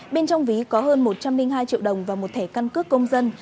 bên trong ví có hơn một trăm linh hai triệu đồng và một thẻ căn cước công dân